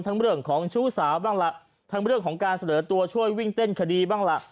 เรื่องของชู้สาวบ้างล่ะทั้งเรื่องของการเสนอตัวช่วยวิ่งเต้นคดีบ้างล่ะ